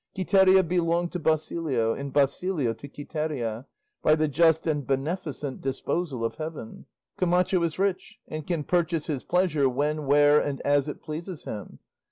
Quiteria belonged to Basilio and Basilio to Quiteria by the just and beneficent disposal of heaven. Camacho is rich, and can purchase his pleasure when, where, and as it pleases him.